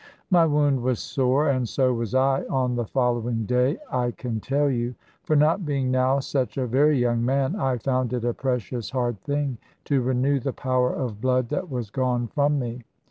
My wound was sore, and so was I, on the following day, I can tell you; for not being now such a very young man, I found it a precious hard thing to renew the power of blood that was gone from me.